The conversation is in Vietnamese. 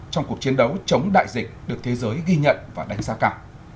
trong cuộc chiến đấu chống đại dịch được thế giới ghi nhận và đánh giá cả